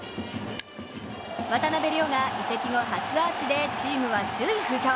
渡邉諒が移籍後初アーチでチームは首位浮上。